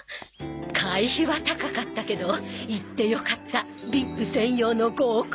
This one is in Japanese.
会費は高かったけど行ってよかったＶＩＰ専用の合コンパーティー。